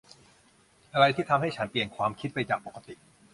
อะไรที่ทำให้ฉันเปลี่ยนความคิดไปจากปกติ ?